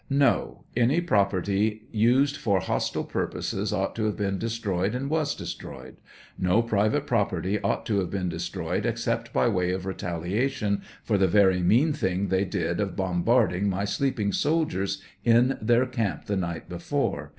No ; any property used for hostile purposes ought to have been destroyed and was destroyed ; no private property ought to have been destroyed, except by way of retaliation for the very mean thing they did of 101 bombarding my sleeping soldiers in their camp the night before.